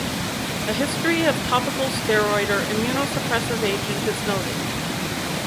A history of topical steroid or immunosuppressive agent is noted.